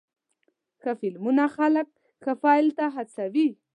ښه فلمونه خلک ښه پیل ته هڅوې.